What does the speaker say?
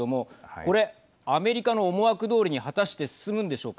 これ、アメリカの思惑どおりに果たして進むんでしょうか。